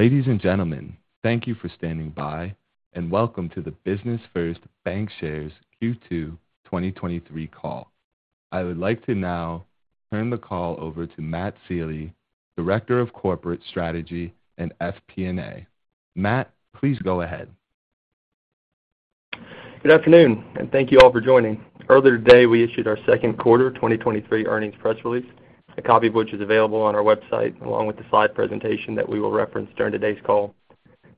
Ladies and gentlemen, thank you for standing by, welcome to the Business First Bancshares Q2 2023 call. I would like to now turn the call over to Matt Sealy, Director of Corporate Strategy and FP&A. Matt, please go ahead. Good afternoon, thank you all for joining. Earlier today, we issued our second quarter 2023 earnings press release, a copy of which is available on our website, along with the slide presentation that we will reference during today's call.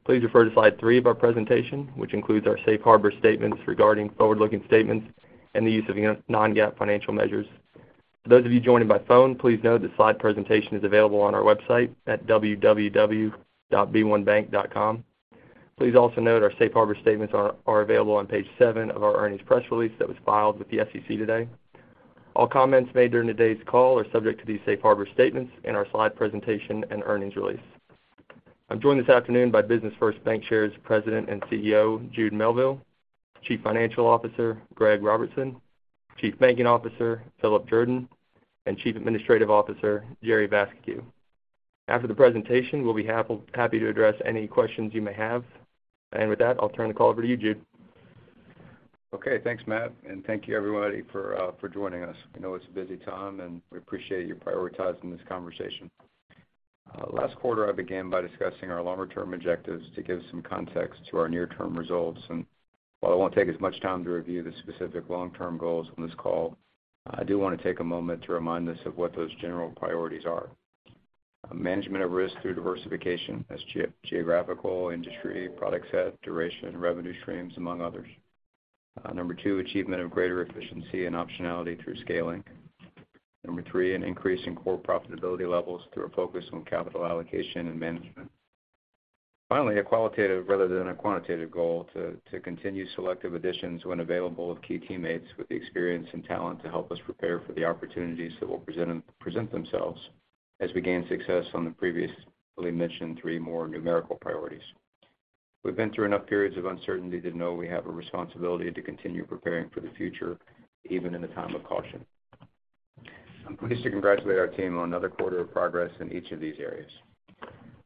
Please refer to Slide 3 of our presentation, which includes our safe harbor statements regarding forward-looking statements and the use of non-GAAP financial measures. For those of you joining by phone, please note the slide presentation is available on our website at www.b1bank.com. Please also note our safe harbor statements are available on Page 7 of our earnings press release that was filed with the SEC today. All comments made during today's call are subject to these safe harbor statements in our slide presentation and earnings release. I'm joined this afternoon by Business First Bancshares President and CEO, Jude Melville; Chief Financial Officer, Greg Robertson; Chief Banking Officer, Philip Jordan; and Chief Administrative Officer, Jerry Vascocu. After the presentation, we'll be happy to address any questions you may have. With that, I'll turn the call over to you, Jude. Okay, thanks, Matt, and thank you everybody for joining us. I know it's a busy time, and we appreciate you prioritizing this conversation. Last quarter, I began by discussing our longer-term objectives to give some context to our near-term results, and while I won't take as much time to review the specific long-term goals on this call, I do wanna take a moment to remind us of what those general priorities are. Management of risk through diversification, as geographical, industry, product set, duration, revenue streams, among others. Number 2, achievement of greater efficiency and optionality through scaling. Number 3, an increase in core profitability levels through a focus on capital allocation and management. Finally, a qualitative rather than a quantitative goal, to, to continue selective additions when available of key teammates with the experience and talent to help us prepare for the opportunities that will present, present themselves as we gain success on the previously mentioned three more numerical priorities. We've been through enough periods of uncertainty to know we have a responsibility to continue preparing for the future, even in a time of caution. I'm pleased to congratulate our team on another quarter of progress in each of these areas.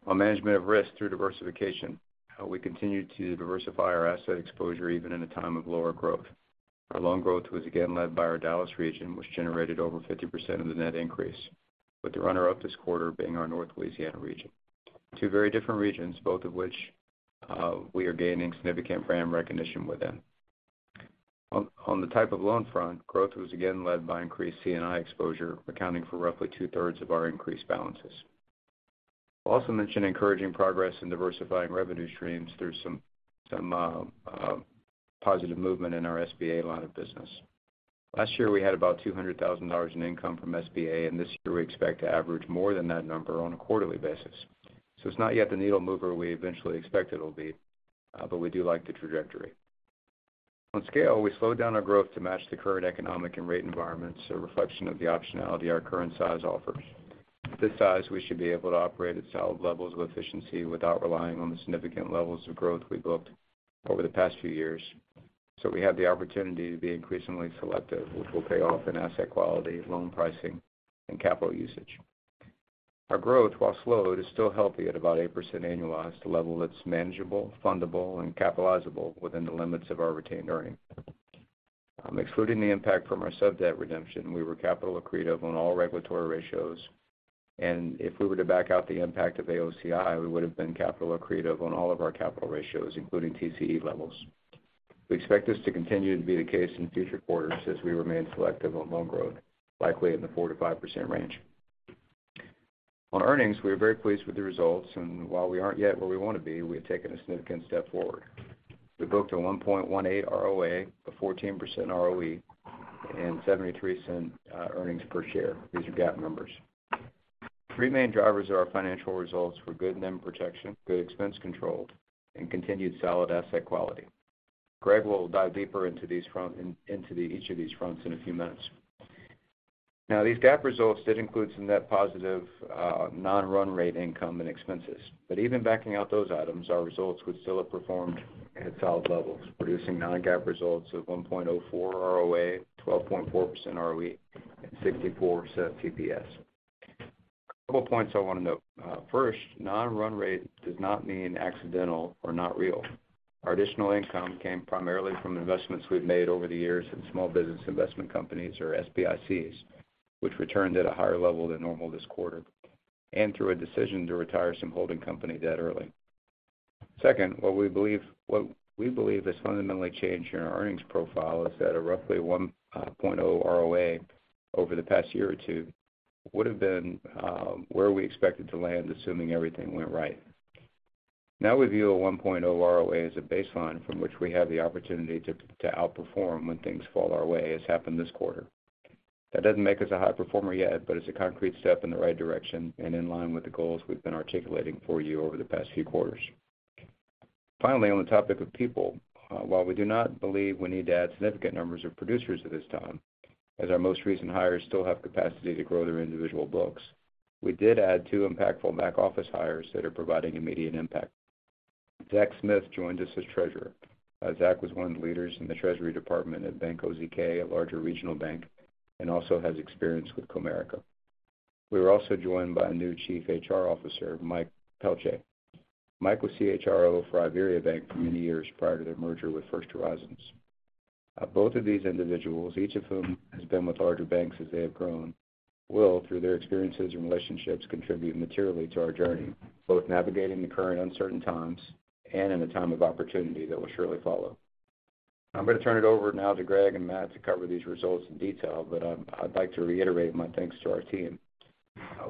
On management of risk through diversification, we continue to diversify our asset exposure, even in a time of lower growth. Our loan growth was again led by our Dallas region, which generated over 50% of the net increase, with the runner-up this quarter being our North Louisiana region. Two very different regions, both of which, we are gaining significant brand recognition within. On the type of loan front, growth was again led by increased C&I exposure, accounting for roughly two thirds of our increased balances. I'll also mention encouraging progress in diversifying revenue streams through positive movement in our SBA line of business. Last year, we had about $200,000 in income from SBA. This year we expect to average more than that number on a quarterly basis. It's not yet the needle mover we eventually expect it'll be. We do like the trajectory. On scale, we slowed down our growth to match the current economic and rate environment, it's a reflection of the optionality our current size offers. This size, we should be able to operate at solid levels of efficiency without relying on the significant levels of growth we've booked over the past few years. So we have the opportunity to be increasingly selective, which will pay off in asset quality, loan pricing, and capital usage. Our growth, while slowed, is still healthy at about 8% annualized, a level that's manageable, fundable, and capitalizable within the limits of our retained earnings. Excluding the impact from our sub-debt redemption, we were capital accretive on all regulatory ratios, and if we were to back out the impact of AOCI, we would have been capital accretive on all of our capital ratios, including TCE levels. We expect this to continue to be the case in future quarters as we remain selective on loan growth, likely in the 4%-5% range. On earnings, we are very pleased with the results, while we aren't yet where we want to be, we have taken a significant step forward. We booked a 1.18 ROA, a 14% ROE, $0.73 earnings per share. These are GAAP numbers. Three main drivers of our financial results were good NIM protection, good expense control, and continued solid asset quality. Greg will dive deeper into each of these fronts in a few minutes. These GAAP results, that includes some net positive non-run rate income and expenses. Even backing out those items, our results would still have performed at solid levels, producing non-GAAP results of 1.04 ROA, 12.4% ROE, $0.64 EPS. Couple points I wanna note. First, non-run rate does not mean accidental or not real. Our additional income came primarily from investments we've made over the years in small business investment companies or SBICs, which returned at a higher level than normal this quarter, and through a decision to retire some holding company debt early. Second, what we believe has fundamentally changed in our earnings profile is that a roughly 1.0 ROA over the past year or two would have been where we expected to land, assuming everything went right. Now, we view a 1.0 ROA as a baseline from which we have the opportunity to outperform when things fall our way, as happened this quarter. That doesn't make us a high performer yet, but it's a concrete step in the right direction and in line with the goals we've been articulating for you over the past few quarters. Finally, on the topic of people, while we do not believe we need to add significant numbers of producers at this time, as our most recent hires still have capacity to grow their individual books, we did add two impactful back-office hires that are providing immediate impact. Zach Smith joined us as Treasurer. Zach was one of the leaders in the treasury department at Bank OZK, a larger regional bank, and also has experience with Comerica. We were also joined by a new Chief HR Officer, Mike Pelletier. Mike was CHRO for IBERIABANK for many years prior to their merger with First Horizon. Both of these individuals, each of whom has been with larger banks as they have grown, will, through their experiences and relationships, contribute materially to our journey, both navigating the current uncertain times and in a time of opportunity that will surely follow. I'm going to turn it over now to Greg and Matt to cover these results in detail. I'd like to reiterate my thanks to our team.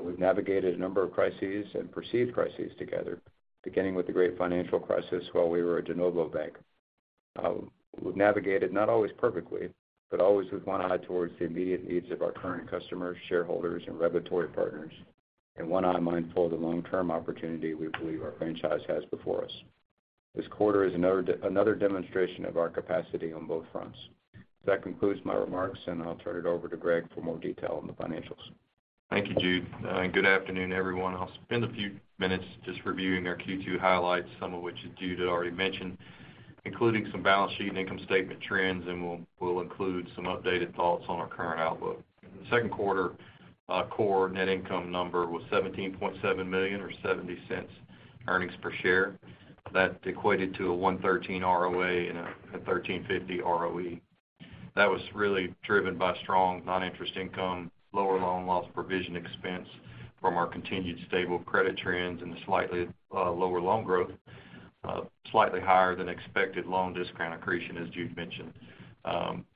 We've navigated a number of crises and perceived crises together, beginning with the great financial crisis while we were a de novo bank. We've navigated not always perfectly, but always with one eye towards the immediate needs of our current customers, shareholders, and regulatory partners, and one eye mindful of the long-term opportunity we believe our franchise has before us. This quarter is another demonstration of our capacity on both fronts. That concludes my remarks, and I'll turn it over to Greg for more detail on the financials. Thank you, Jude. Good afternoon, everyone. I'll spend a few minutes just reviewing our Q2 highlights, some of which Jude had already mentioned, including some balance sheet and income statement trends, and we'll, we'll include some updated thoughts on our current outlook. In the second quarter, our core net income number was $17.7 million, or $0.70 earnings per share. That equated to a 1.13 ROA and a 13.50 ROE. That was really driven by strong non-interest income, lower loan loss provision expense from our continued stable credit trends and the slightly lower loan growth, slightly higher than expected loan discount accretion, as Jude mentioned.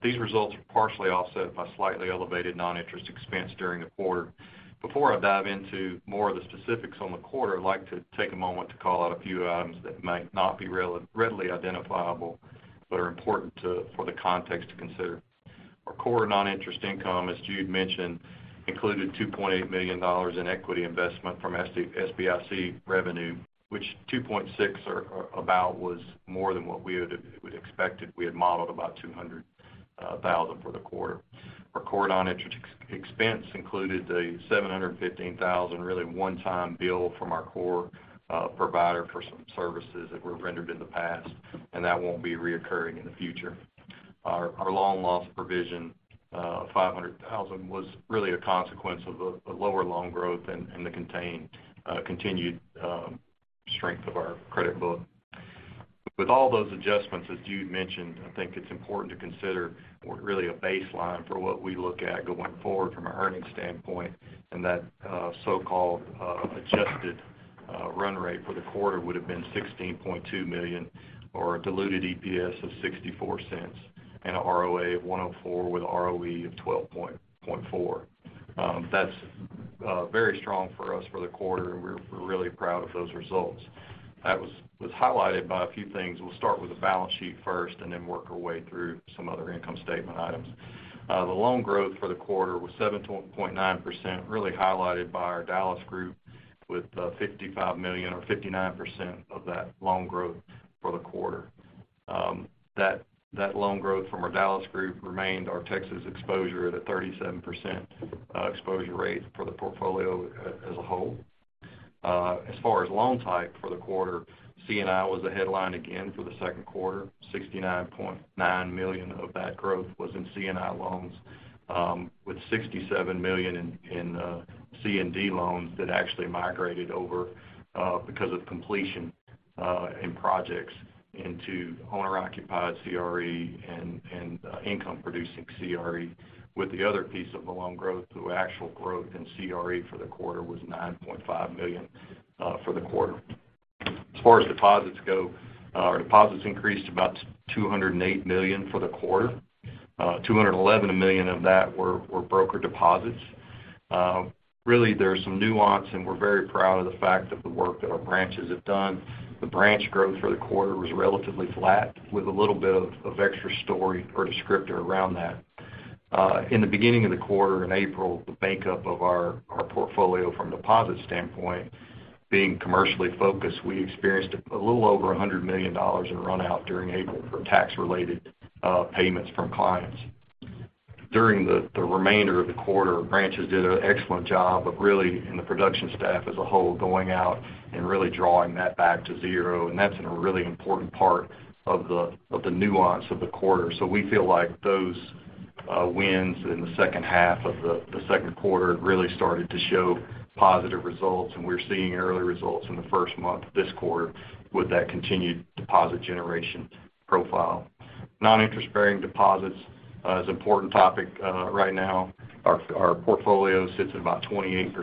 These results were partially offset by slightly elevated non-interest expense during the quarter. Before I dive into more of the specifics on the quarter, I'd like to take a moment to call out a few items that might not be readily identifiable, but are important for the context to consider. Our core non-interest income, as Jude mentioned, included $2.8 million in equity investment from SBIC revenue, which $2.6 or about was more than what we had expected. We had modeled about $200,000 for the quarter. Our core non-interest expense included a $715,000, really one-time bill from our core provider for some services that were rendered in the past, and that won't be recurring in the future. Our loan loss provision, $500,000, was really a consequence of the lower loan growth and the contained, continued strength of our credit book. With all those adjustments, as Jude mentioned, I think it's important to consider what really a baseline for what we look at going forward from an earnings standpoint, and that so-called adjusted run rate for the quarter would have been $16.2 million or a diluted EPS of $0.64 and a ROA of 1.04 with an ROE of 12.4. That's very strong for us for the quarter, and we're really proud of those results. That was highlighted by a few things. We'll start with the balance sheet first and then work our way through some other income statement items. The loan growth for the quarter was 7.9%, really highlighted by our Dallas group with $55 million or 59% of that loan growth for the quarter. That loan growth from our Dallas group remained our Texas exposure at a 37% exposure rate for the portfolio as a whole. As far as loan type for the quarter, C&I was the headline again for the second quarter. $69.9 million of that growth was in C&I loans, with $67 million in C&D loans that actually migrated over because of completion in projects into owner-occupied CRE and income-producing CRE, with the other piece of the loan growth through actual growth in CRE for the quarter was $9.5 million for the quarter. As far as deposits go, our deposits increased about $208 million for the quarter. $211 million of that were broker deposits. Really, there's some nuance, we're very proud of the fact of the work that our branches have done. The branch growth for the quarter was relatively flat, with a little bit of extra story or descriptor around that. In the beginning of the quarter, in April, the bank-up of our portfolio from a deposit standpoint, being commercially focused, we experienced a little over $100 million in runout during April for tax-related payments from clients. During the, the remainder of the quarter, branches did an excellent job of really, and the production staff as a whole, going out and really drawing that back to zero, and that's a really important part of the, of the nuance of the quarter. We feel like those wins in the second half of the second quarter really started to show positive results, and we're seeing early results in the first month this quarter with that continued deposit generation profile. Non-interest-bearing deposits is an important topic right now. Our portfolio sits at about 28%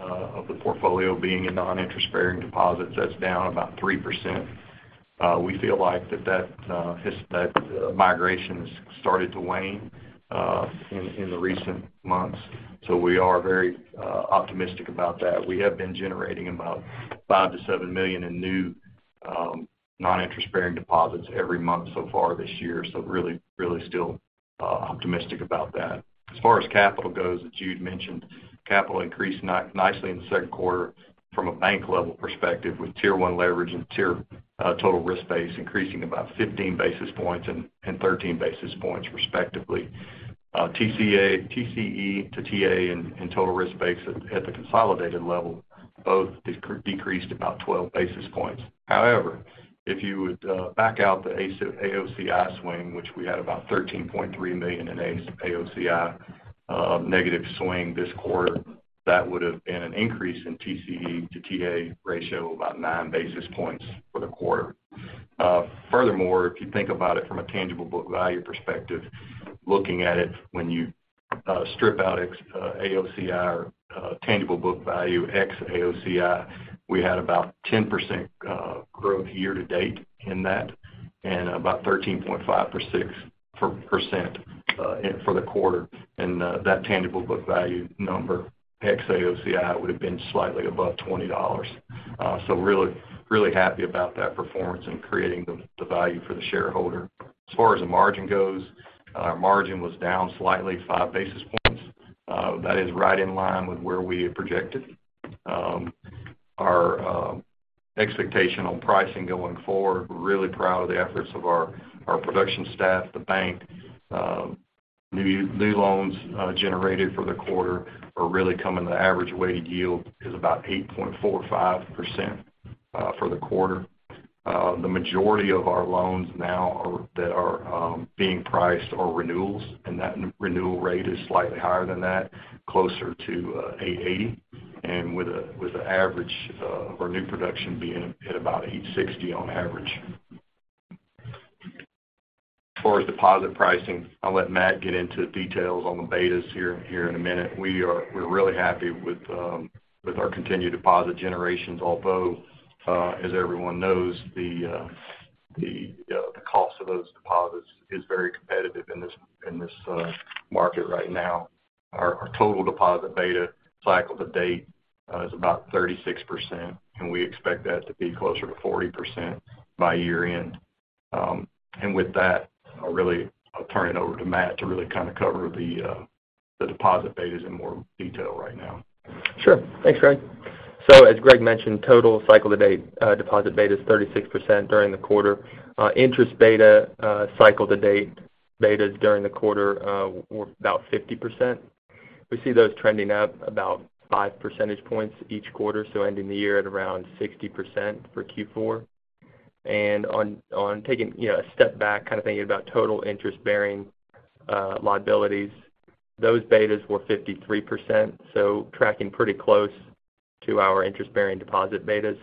of the portfolio being in non-interest-bearing deposits. That's down about 3%. We feel like that, that migration has started to wane in, in the recent months, so we are very optimistic about that. We have been generating about $5 million-$7 million in new non-interest-bearing deposits every month so far this year, really, really still optimistic about that. As far as capital goes, as Jude mentioned, capital increased nicely in the second quarter from a bank level perspective, with Tier 1 leverage and total risk base increasing about 15 basis points and 13 basis points, respectively. TCE to TA and total risk base at the consolidated level decreased about 12 basis points. However, if you would back out the AOCI swing, which we had about $13.3 million in AOCI negative swing this quarter, that would have been an increase in TCE to TA ratio of about 9 basis points for the quarter. Furthermore, if you think about it from a tangible book value perspective, looking at it when you strip out ex- AOCI or tangible book value ex-AOCI, we had about 10% growth year-to-date in that and about 13.5 per 6% for the quarter. That tangible book value number, ex-AOCI, would have been slightly above $20. Really, really happy about that performance and creating the, the value for the shareholder. As far as the margin goes, our margin was down slightly five basis points. That is right in line with where we had projected. Our expectational pricing going forward, we're really proud of the efforts of our, our production staff, the bank. New, new loans generated for the quarter are really coming to the average weighted yield is about 8.45% for the quarter. The majority of our loans now are, that are, being priced are renewals, and that renewal rate is slightly higher than that, closer to 8.80%, and with a, with an average of our new production being at about 8.60% on average. As far as deposit pricing, I'll let Matt get into the details on the betas here, here in a minute. We are-- we're really happy with, with our continued deposit generations, although, as everyone knows, the, the, the cost of those deposits is very competitive in this, in this market right now. Our, our total deposit beta cycle to date, is about 36%, and we expect that to be closer to 40% by year-end. With that, I'll turn it over to Matt to really kind of cover the, the deposit betas in more detail right now. Sure. Thanks, Greg. As Greg mentioned, total cycle-to-date, deposit beta is 36% during the quarter. Interest beta, cycle to date, betas during the quarter, were about 50%. We see those trending up about 5 percentage points each quarter, so ending the year at around 60% for Q4. On, on taking, you know, a step back, kind of thinking about total interest-bearing liabilities, those betas were 53%, so tracking pretty close to our interest-bearing deposit betas.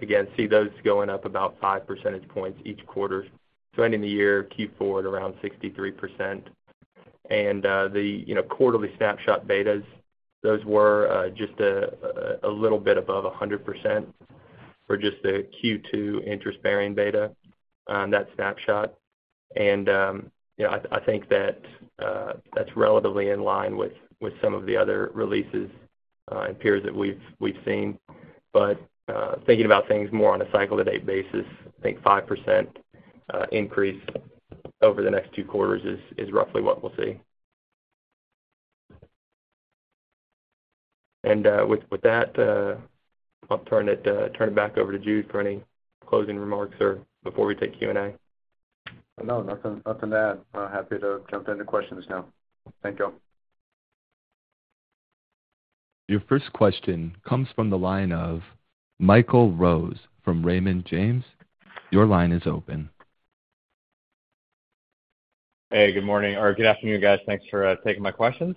Again, see those going up about 5 percentage points each quarter, so ending the year Q4 at around 63%. The, you know, quarterly snapshot betas, those were just a little bit above 100% for just the Q2 interest-bearing beta, that snapshot. Yeah, I, I think that that's relatively in line with, with some of the other releases, and peers that we've, we've seen. Thinking about things more on a cycle-to-date basis, I think 5% increase over the next two quarters is, is roughly what we'll see. With, with that, I'll turn it back over to Jude for any closing remarks or before we take Q&A. No, nothing, nothing to add. I'm happy to jump into questions now. Thank you all. Your first question comes from the line of Michael Rose from Raymond James. Your line is open. Hey, good morning or good afternoon, guys. Thanks for taking my questions.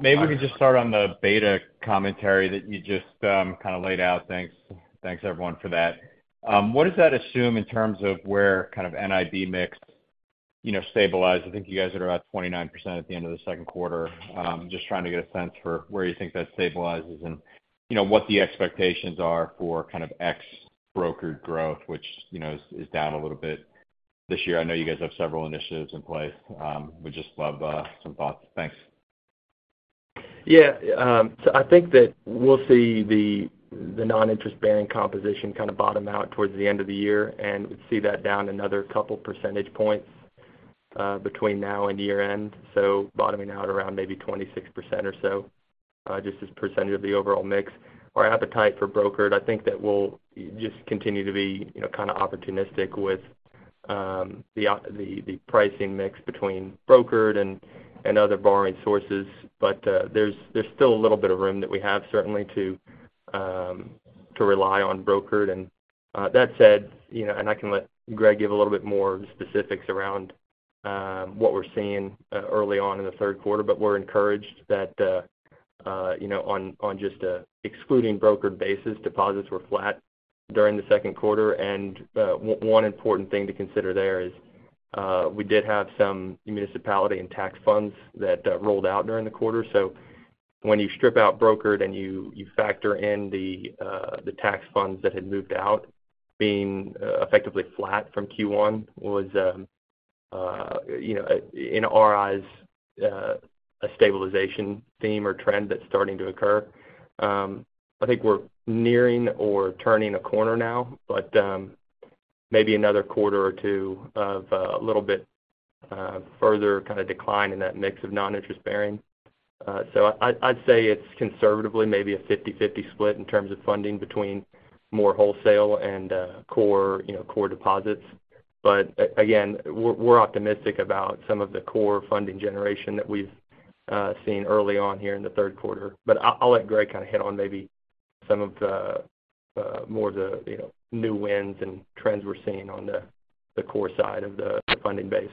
Maybe we can just start on the beta commentary that you just kind of laid out. Thanks, thanks everyone, for that. What does that assume in terms of where kind of NIB mix, you know, stabilize? I think you guys are about 29% at the end of the second quarter. Just trying to get a sense for where you think that stabilizes and, you know, what the expectations are for kind of ex brokered growth, which, you know, is, is down a little bit this year. I know you guys have several initiatives in place. Would just love some thoughts. Thanks. Yeah, I think that we'll see the non-interest-bearing composition kind of bottom out towards the end of the year and see that down another couple percentage points between now and year-end. Bottoming out around maybe 26% or so, just as a percentage of the overall mix. Our appetite for brokered, I think that we'll just continue to be, you know, kind of opportunistic with the pricing mix between brokered and other borrowing sources. There's still a little bit of room that we have certainly to rely on brokered. That said, you know, and I can let Greg give a little bit more specifics around what we're seeing early on in the third quarter. We're encouraged that, you know, on, on just excluding brokered basis, deposits were flat during the second quarter. One, one important thing to consider there is, we did have some municipality and tax funds that rolled out during the quarter. When you strip out brokered and you, you factor in the tax funds that had moved out, being effectively flat from Q1 was, you know, in our eyes, a stabilization theme or trend that's starting to occur. I think we're nearing or turning a corner now, but maybe another quarter or two of a little bit further kind of decline in that mix of non-interest bearing. I, I'd, I'd say it's conservatively maybe a 50/50 split in terms of funding between more wholesale and core, you know, core deposits. Again, we're, we're optimistic about some of the core funding generation that we've seen early on here in the third quarter. I'll, I'll let Greg kind of hit on maybe some of the more of the, you know, new wins and trends we're seeing on the, the core side of the, the funding base.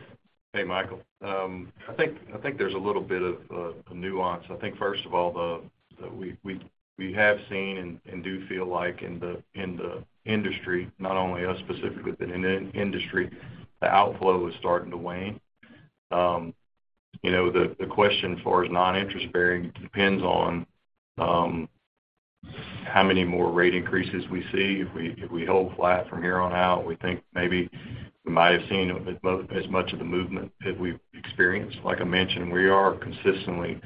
Hey, Michael. I think, I think there's a little bit of a nuance. I think first of all, that we, we, we have seen and, and do feel like in the, in the industry, not only us specifically, but in the industry, the outflow is starting to wane. You know, the question for as non-interest bearing depends on how many more rate increases we see. If we, if we hold flat from here on out, we think maybe we might have seen as much of the movement that we've experienced. Like I mentioned, we are consistently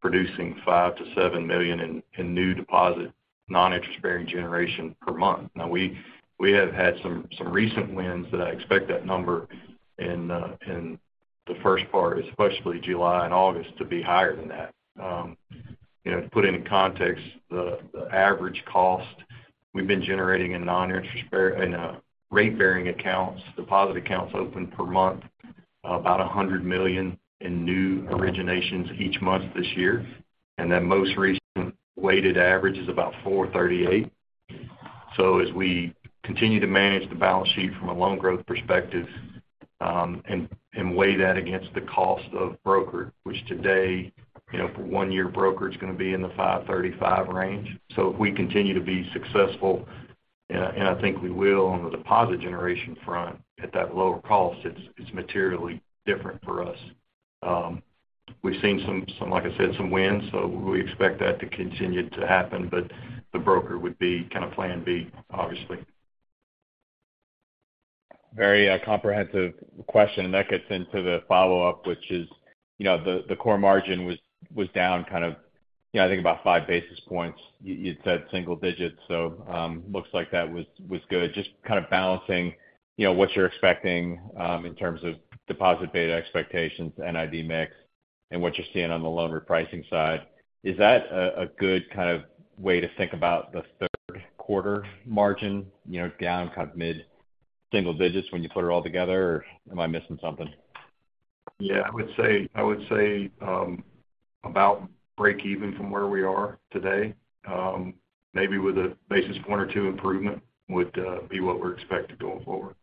producing $5 million-$7 million in new deposit, non-interest bearing generation per month. Now, we, we have had some, some recent wins that I expect that number in the first part, especially July and August, to be higher than that. You know, to put it in context, the, the average cost we've been generating in non-interest bear- in rate-bearing accounts, deposit accounts open per month, about $100 million in new originations each month this year, and that most recent weighted average is about 4.38%. As we continue to manage the balance sheet from a loan growth perspective, and, and weigh that against the cost of broker, which today, you know, for one year, broker is going to be in the 5.35% range. If we continue to be successful, and, and I think we will on the deposit generation front at that lower cost, it's, it's materially different for us. We've seen some, some, like I said, some wins, so we expect that to continue to happen, but the broker would be kind of plan B, obviously. Very, comprehensive question, and that gets into the follow-up, which is, you know, the, the core margin was, was down kind of, you know, I think about 5 basis points. You, you'd said single digits, so, looks like that was, was good. Just kind of balancing, you know, what you're expecting, in terms of deposit beta expectations, NIB mix, and what you're seeing on the loan repricing side. Is that a, a good kind of way to think about the third quarter margin? You know, down kind of mid-single digits when you put it all together, or am I missing something? Yeah, I would say, I would say, about breakeven from where we are today, maybe with a basis point or 2 improvement would be what we're expecting going forward.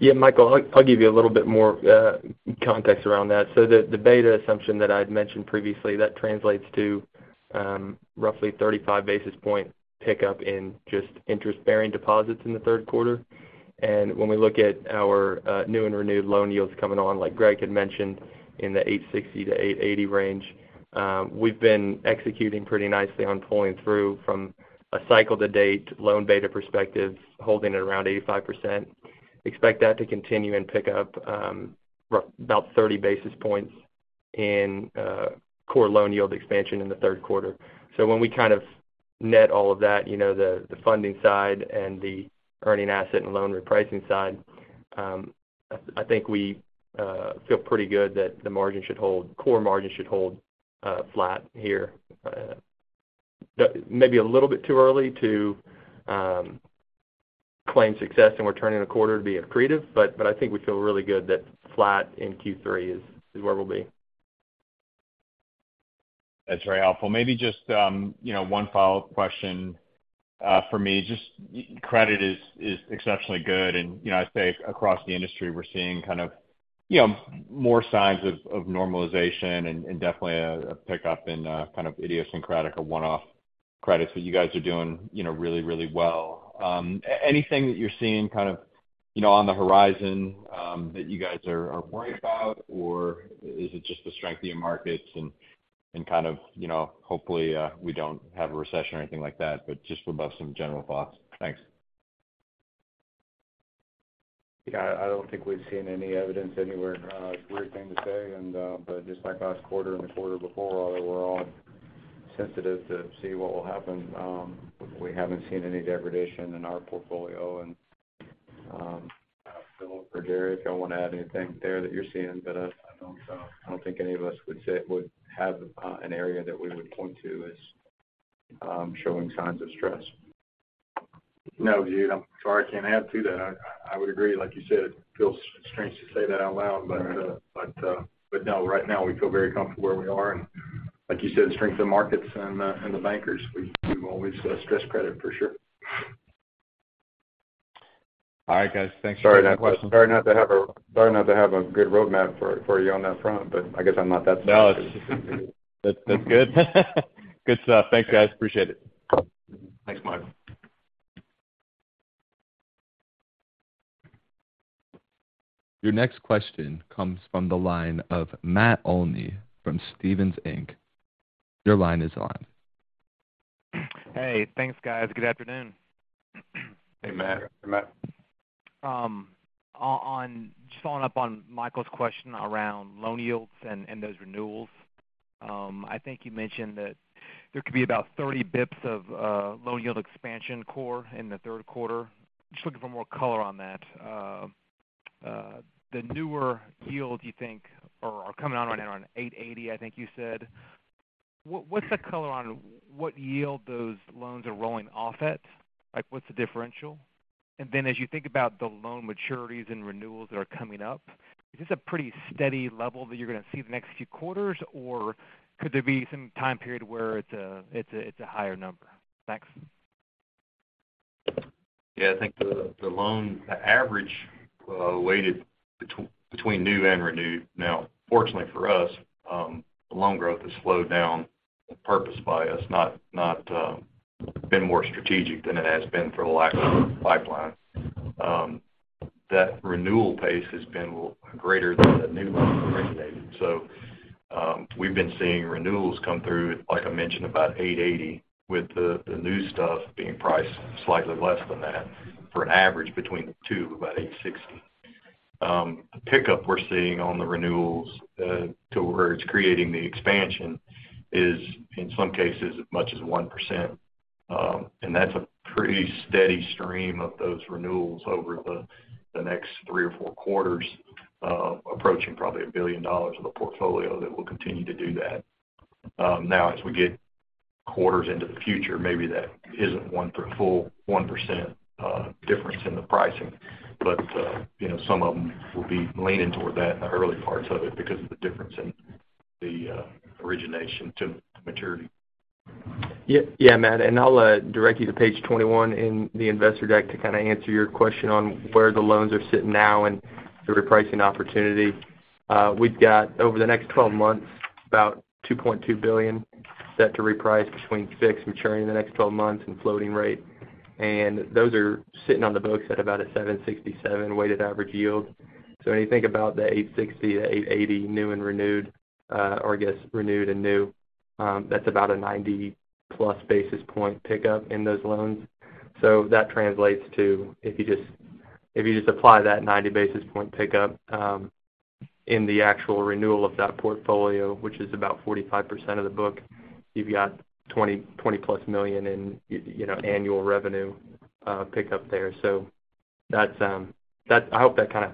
Yeah, Michael, I'll, I'll give you a little bit more context around that. The, the beta assumption that I'd mentioned previously, that translates to roughly 35 basis point pickup in just interest-bearing deposits in the third quarter. When we look at our new and renewed loan yields coming on, like Greg had mentioned, in the 860-880 range, we've been executing pretty nicely on pulling through from a cycle to date loan beta perspective, holding it around 85%. Expect that to continue and pick up about 30 basis points in core loan yield expansion in the third quarter. When we kind of net all of that, you know, the, the funding side and the earning asset and loan repricing side, I, I think we feel pretty good that core margin should hold flat here. Maybe a little bit too early to claim success, and we're turning a quarter to be accretive, but, but I think we feel really good that flat in Q3 is, is where we'll be. That's very helpful. Maybe just, you know, one follow-up question for me. Just credit is, is exceptionally good, and, you know, I'd say across the industry, we're seeing kind of, you know, more signs of, of normalization and, and definitely a, a pickup in kind of idiosyncratic or one-off credits. You guys are doing, you know, really, really well. Anything that you're seeing kind of, you know, on the horizon that you guys are, are worried about, or is it just the strength of your markets and, and kind of, you know, hopefully, we don't have a recession or anything like that, but just above some general thoughts? Thanks. Yeah, I don't think we've seen any evidence anywhere. It's a weird thing to say and, but just like last quarter and the quarter before, although we're all sensitive to see what will happen, we haven't seen any degradation in our portfolio. Phil or Jerry, if y'all want to add anything there that you're seeing, but I, I don't, I don't think any of us would have an area that we would point to as showing signs of stress. No, Jude, I'm sorry, I can't add to that. I, I would agree, like you said, it feels strange to say that out loud. Mm-hmm. But, no, right now we feel very comfortable where we are, and like you said, strength of markets and, and the bankers, we've, we've always, stressed credit, for sure. All right, guys. Thanks for the question. Sorry not to have sorry not to have a good roadmap for, for you on that front, but I guess I'm not that surprised. No, that's, that's good. Good stuff. Thanks, guys. Appreciate it. Thanks, Michael. Your next question comes from the line of Matt Olney from Stephens Inc. Your line is on. Hey, thanks, guys. Good afternoon. Hey, Matt. Hey, Matt. Just following up on Michael Rose's question around loan yields and, and those renewals. I think you mentioned that there could be about 30 bps of loan yield expansion core in the third quarter. Just looking for more color on that. The newer yields, you think, are, are coming on right around 8.80%, I think you said. What's the color on what yield those loans are rolling off at? Like, what's the differential? Then as you think about the loan maturities and renewals that are coming up, is this a pretty steady level that you're gonna see the next few quarters, or could there be some time period where it's a higher number? Thanks. Yeah, I think the, the loan average, weighted between, between new and renewed. Fortunately for us, the loan growth has slowed down on purpose by us, not, not, been more strategic than it has been for the lack of pipeline. That renewal pace has been greater than the new loan origination. We've been seeing renewals come through, like I mentioned, about 8.80%, with the, the new stuff being priced slightly less than that, for an average between the two, about 860. The pickup we're seeing on the renewals, to where it's creating the expansion is, in some cases, as much as 1%. That's a pretty steady stream of those renewals over the, the next three or four quarters, approaching probably $1 billion of the portfolio that will continue to do that. Now, as we get quarters into the future, maybe that isn't one for a full 1% difference in the pricing. You know, some of them will be leaning toward that in the early parts of it because of the difference in the origination to maturity. Yeah, yeah, Matt, and I'll direct you to Page 21 in the investor deck to kind of answer your question on where the loans are sitting now and the repricing opportunity. We've got, over the next 12 months, about $2.2 billion set to reprice between fixed maturing in the next 12 months and floating rate. Those are sitting on the books at about a 7.67% weighted average yield. When you think about the 8.60%-8.80%, new and renewed, or I guess, renewed and new, that's about a 90+ basis point pickup in those loans. That translates to, if you just, if you just apply that 90 basis point pickup, in the actual renewal of that portfolio, which is about 45% of the book, you've got $20+ million in, you, you know, annual revenue, pickup there. That's, I hope that kind of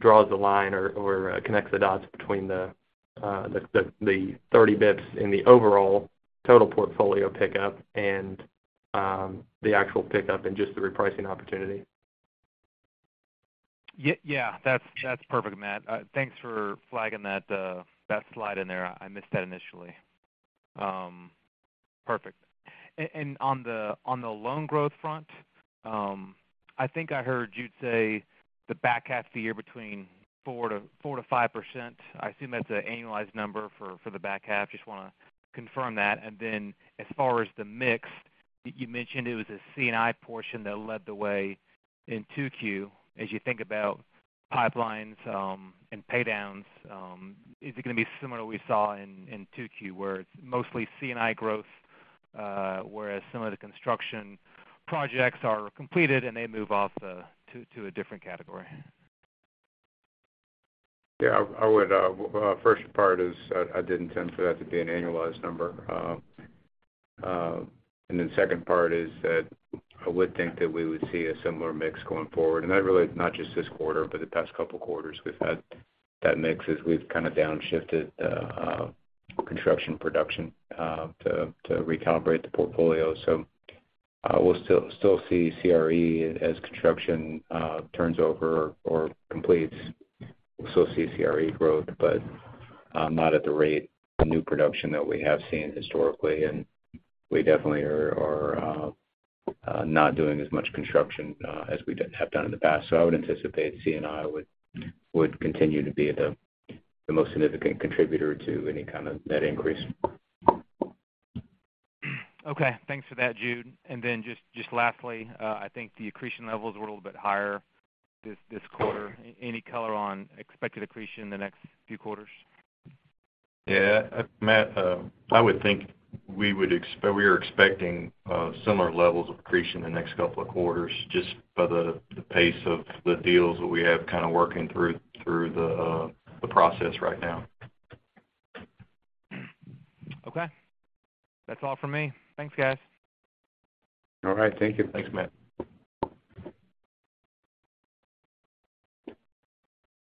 draws the line or, or connects the dots between the, the, the 30 basis points in the overall total portfolio pickup and the actual pickup and just the repricing opportunity. Yeah, yeah, that's, that's perfect, Matt. Thanks for flagging that, that slide in there. I missed that initially. Perfect. On the, on the loan growth front, I think I heard you'd say the back half of the year between 4%-5%. I assume that's an annualized number for, for the back half. Just want to confirm that. Then as far as the mix, you mentioned it was a C&I portion that led the way in Q2. As you think about pipelines, and pay downs, is it gonna be similar to what we saw in, in Q2, where it's mostly C&I growth, whereas some of the construction projects are completed, and they move off to, to a different category? Yeah, I would, first part is I, I did intend for that to be an annualized number. Second part is that I would think that we would see a similar mix going forward. That really is not just this quarter, but the past couple of quarters we've had that mix as we've kind of downshifted, construction production, to, to recalibrate the portfolio. We'll still, still see CRE as construction, turns over or completes. We'll still see CRE growth, but not at the rate of new production that we have seen historically, and we definitely are, are, not doing as much construction, as we did-- have done in the past. I would anticipate C&I would, would continue to be the, the most significant contributor to any kind of net increase. Okay, thanks for that, Jude. Then just, just lastly, I think the accretion levels were a little bit higher this, this quarter. Any color on expected accretion in the next few quarters? Yeah, Matt, I would think we would we are expecting, similar levels of accretion in the next couple of quarters, just by the pace of the deals that we have kind of working through, through the process right now. Okay. That's all for me. Thanks, guys. All right. Thank you. Thanks, Matt.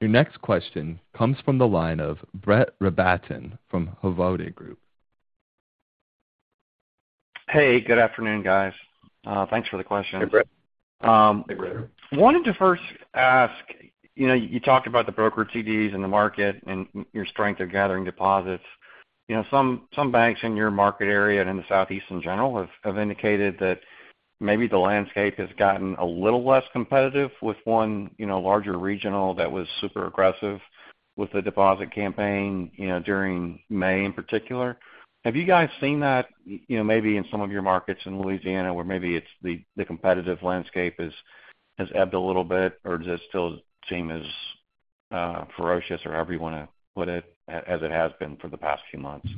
Your next question comes from the line of Brett Rabatin from Hovde Group. Hey, good afternoon, guys. Thanks for the question. Hey, Brett. Hey, Brett. wanted to first ask, you know, you talked about the broker CDs and the market and your strength of gathering deposits. You know, some, some banks in your market area and in the Southeast in general, have, have indicated that maybe the landscape has gotten a little less competitive with one, you know, larger regional that was super aggressive with the deposit campaign, you know, during May, in particular. Have you guys seen that, you know, maybe in some of your markets in Louisiana, where maybe it's the, the competitive landscape is, has ebbed a little bit, or does it still seem as ferocious, or however you want to put it, as it has been for the past few months?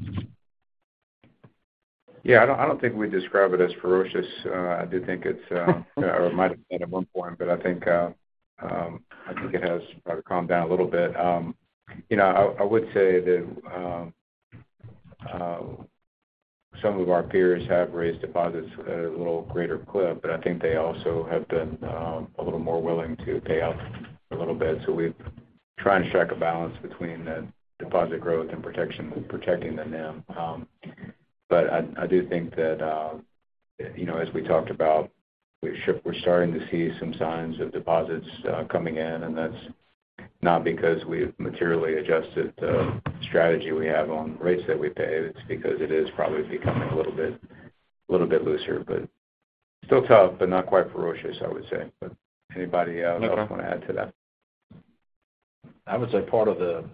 Yeah, I don't, I don't think we'd describe it as ferocious. It might have been at one point, but I think, I think it has probably calmed down a little bit. You know, I, I would say that some of our peers have raised deposits at a little greater clip, but I think they also have been a little more willing to pay out a little bit. So we've tried to strike a balance between the deposit growth and protection, protecting the NIM. But I, I do think that, you know, as we talked about, we're starting to see some signs of deposits coming in, and that's not because we've materially adjusted the strategy we have on rates that we pay. It's because it is probably becoming a little bit, little bit looser, but still tough, but not quite ferocious, I would say. Anybody else want to add to that? I would say part of the,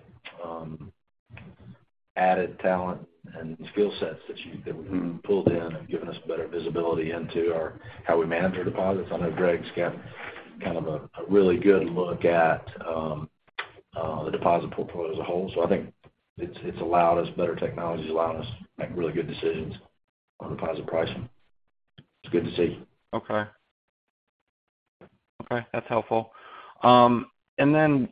added talent and skill sets that you've pulled in, have given us better visibility into our, how we manage our deposits. I know Greg's got kind of a, a really good look at, the deposit portfolio as a whole. I think it's, it's allowed us better technology, it's allowed us make really good decisions on deposit pricing. It's good to see. Okay. Okay, that's helpful.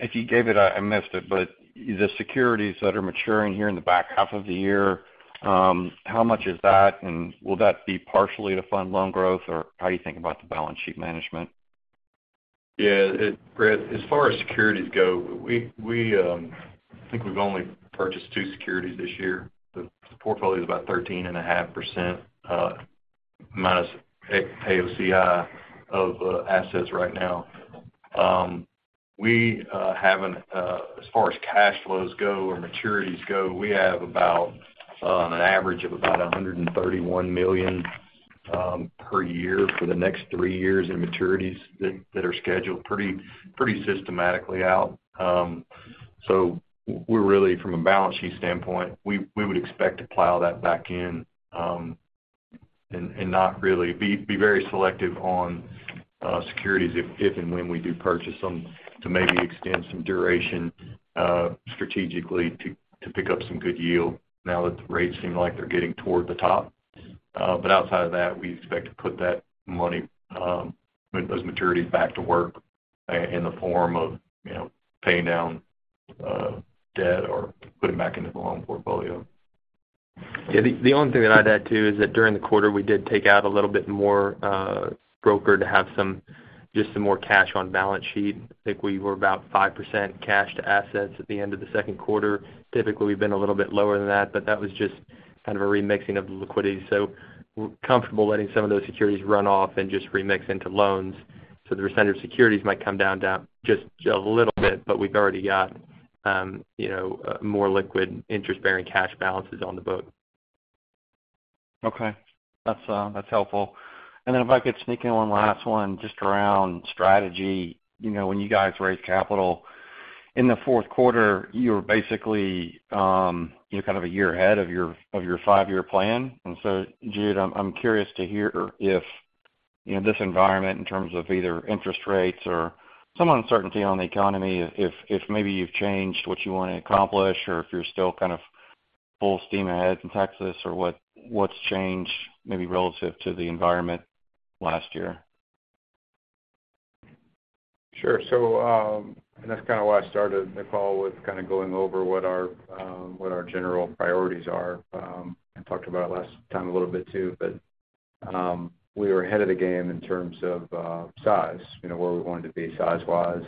If you gave it, I, I missed it, but the securities that are maturing here in the back half of the year, how much is that? Will that be partially to fund loan growth, or how are you thinking about the balance sheet management? Yeah, Brett, as far as securities go, we, we, I think we've only purchased two securities this year. The portfolio is about 13.5%- AOCI of assets right now. We have as far as cash flows go or maturities go, we have about an average of about $131 million per year for the next three years in maturities that, that are scheduled pretty, pretty systematically out. So we're really, from a balance sheet standpoint, we, we would expect to plow that back in, and be very selective on securities, if, if and when we do purchase them, to maybe extend some duration strategically to, to pick up some good yield now that the rates seem like they're getting toward the top. Outside of that, we expect to put that money, those maturities back to work in the form of, you know, paying down, debt or putting back into the loan portfolio. Yeah, the, the only thing that I'd add, too, is that during the quarter, we did take out a little bit more broker to have some, just some more cash on balance sheet. I think we were about 5% cash to assets at the end of the second quarter. Typically, we've been a little bit lower than that. That was just kind of a remixing of the liquidity. We're comfortable letting some of those securities run off and just remix into loans. The percentage of securities might come down, down just a little bit, but we've already got, you know, more liquid interest-bearing cash balances on the book. Okay. That's that's helpful. Then if I could sneak in one last one, just around strategy. You know, when you guys raised capital in the fourth quarter, you were basically, you know, kind of a year ahead of your, of your five-year plan. So, Jude, I'm curious to hear if, you know, this environment, in terms of either interest rates or some uncertainty on the economy, if maybe you've changed what you want to accomplish, or if you're still kind of full steam ahead in Texas, or what, what's changed, maybe relative to the environment last year? Sure. That's kind of why I started the call with kind of going over what our, what our general priorities are, and talked about it last time a little bit, too. We were ahead of the game in terms of size, you know, where we wanted to be size-wise,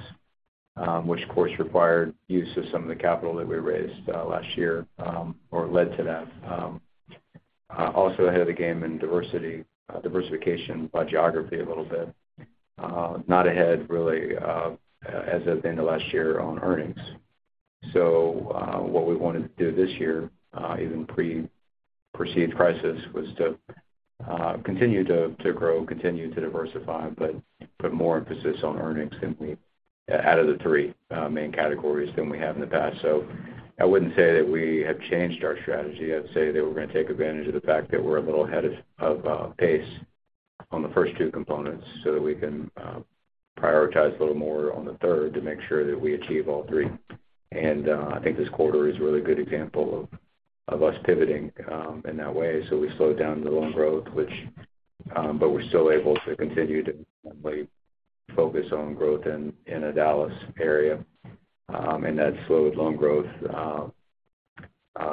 which of course, required use of some of the capital that we raised last year, or led to that. Also ahead of the game in diversity, diversification by geography a little bit. Not ahead, really, as of the end of last year on earnings. What we wanted to do this year, even pre-perceived crisis, was to continue to grow, continue to diversify, but put more emphasis on earnings than we out of the three main categories than we have in the past. I wouldn't say that we have changed our strategy. I'd say that we're going to take advantage of the fact that we're a little ahead of pace on the first two components, so that we can prioritize a little more on the third, to make sure that we achieve all three. I think this quarter is a really good example of us pivoting in that way. We slowed down the loan growth, which. We're still able to continue to focus on growth in the Dallas area. That slowed loan growth,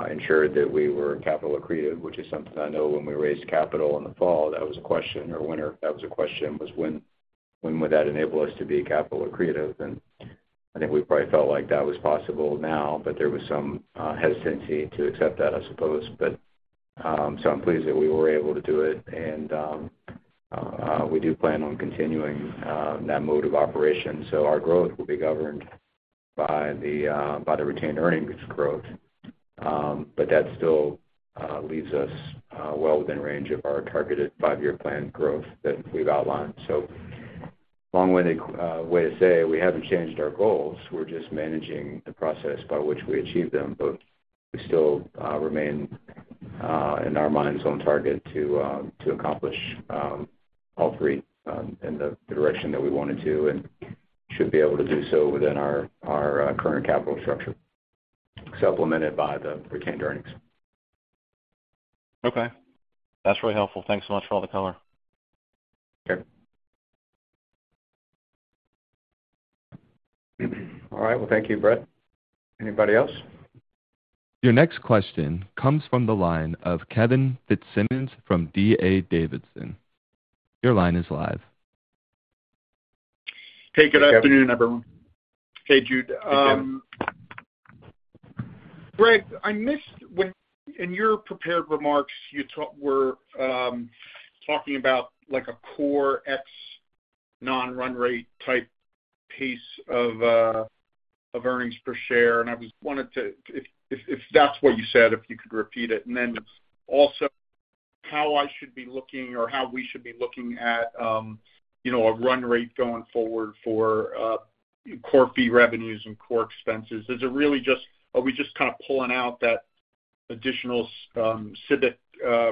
ensured that we were capital accretive, which is something I know when we raised capital in the fall, that was a question, or winter, that was a question, was when, when would that enable us to be capital accretive? I think we probably felt like that was possible now, but there was some hesitancy to accept that, I suppose. I'm pleased that we were able to do it, and we do plan on continuing that mode of operation. Our growth will be governed by the retained earnings growth. That still leaves us well within range of our targeted five-year plan growth that we've outlined. Long-winded way to say, we haven't changed our goals. We're just managing the process by which we achieve them, but we still remain in our minds, on target to to accomplish all three in the direction that we wanted to and should be able to do so within our, our current capital structure, supplemented by the retained earnings. Okay. That's really helpful. Thanks so much for all the color. Sure. All right. Well, thank you, Brett. Anybody else? Your next question comes from the line of Kevin Fitzsimmons from D.A. Davidson. Your line is live. Hey, good afternoon, everyone. Hey, Jude. Greg, I missed when, in your prepared remarks, you were talking about like a core X non-run rate type pace of earnings per share, and I wanted to, if that's what you said, if you could repeat it. Also, how I should be looking or how we should be looking at, you know, a run rate going forward for core fee revenues and core expenses. Is it really just, are we just kind of pulling out that additional SBIC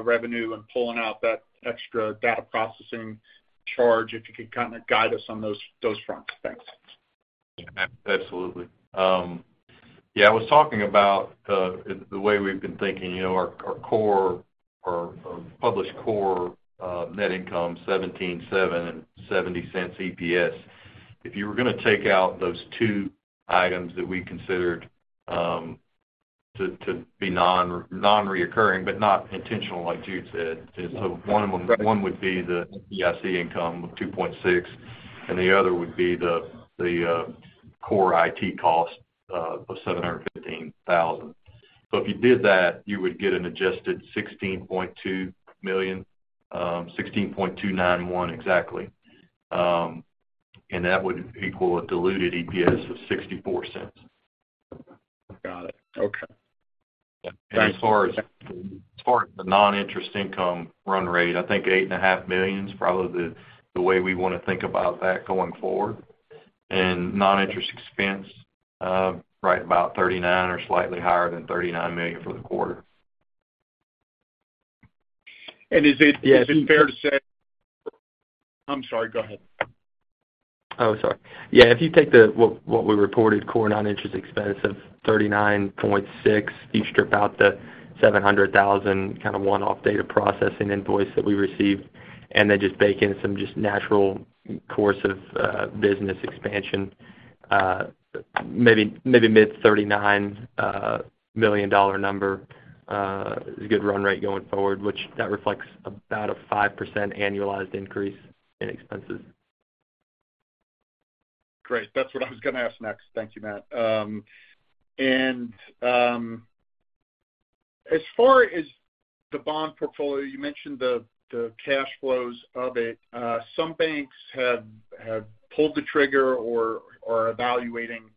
revenue and pulling out that extra data processing charge? If you could kind of guide us on those, those fronts. Thanks. Absolutely. Yeah, I was talking about the way we've been thinking, you know, our core or published core net income, $17.7 million and $0.70 EPS. If you were gonna take out those two items that we considered to be non-reoccurring, but not intentional, like Jude said. One of them, one would be the EIC income of $2.6 million, and the other would be the core IT cost of $715,000. If you did that, you would get an adjusted $16.2 million, $16.291 million exactly. And that would equal a diluted EPS of $0.64. Got it. Okay. As far as, as far as the non-interest income run rate, I think $8.5 million is probably the, the way we want to think about that going forward. Non-interest expense, right about $39 million or slightly higher than $39 million for the quarter. is it- Yeah. fair to say... I'm sorry, go ahead. Oh, sorry. Yeah, if you take the, what, what we reported, core non-interest expense of $39.6 million, you strip out the $700,000, kind of one-off data processing invoice that we received, and then just bake in some just natural course of business expansion, maybe, maybe mid $39 million number, is a good run rate going forward, which that reflects about a 5% annualized increase in expenses. Great. That's what I was going to ask next. Thank you, Matt. As far as the bond portfolio, you mentioned the, the cash flows of it. Some banks have, have pulled the trigger or, or are evaluating,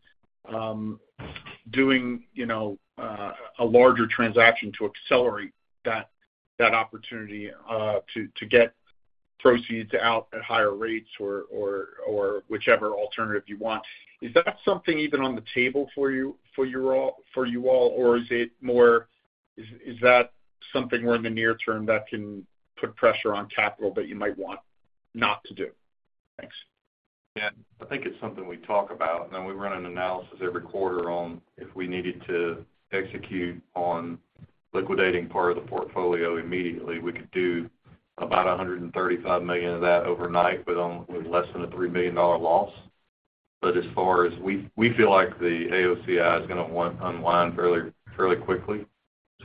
doing, you know, a larger transaction to accelerate that, that opportunity, to, to get proceeds out at higher rates or, or, or whichever alternative you want. Is that something even on the table for you, for you all, for you all? Is it more, is, is that something more in the near term that can put pressure on capital that you might want not to do? Thanks. Yeah, I think it's something we talk about. Then we run an analysis every quarter on if we needed to execute on liquidating part of the portfolio immediately, we could do about $135 million of that overnight with less than a $3 million loss. As far as we, we feel like the AOCI is going to want unwind fairly, fairly quickly.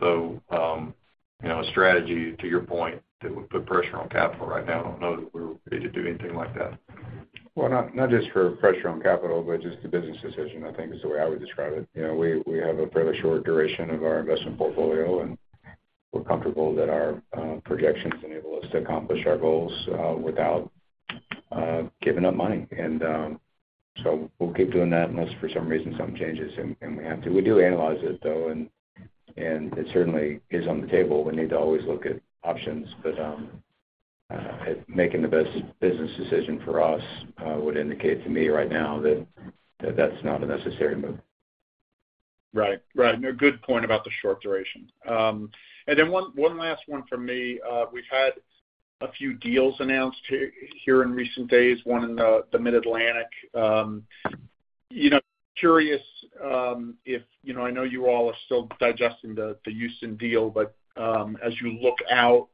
You know, a strategy, to your point, that would put pressure on capital right now, I don't know that we're ready to do anything like that. Well, not, not just for pressure on capital, but just the business decision, I think is the way I would describe it. You know, we, we have a fairly short duration of our investment portfolio, and we're comfortable that our projections enable us to accomplish our goals without giving up money. So we'll keep doing that unless for some reason, something changes, and we have to. We do analyze it, though, and it certainly is on the table. We need to always look at options, but making the best business decision for us would indicate to me right now that that's not a necessary move. Right. Right. A good point about the short duration. Then one last one for me. We've had a few deals announced here, here in recent days, one in the Mid-Atlantic. You know, curious, if, you know, I know you all are still digesting the Houston deal, but, as you look out,